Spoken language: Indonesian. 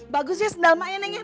bagusnya sendal emaknya neng ya